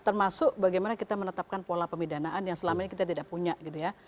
termasuk bagaimana kita menetapkan pola pemidanaan yang selama ini kita tidak punya gitu ya